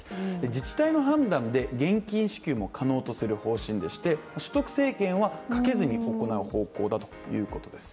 自治体の判断で現金支給も可能とする方針でして所得制限はかけずに行う方向だということです